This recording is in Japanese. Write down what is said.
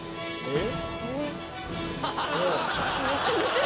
えっ？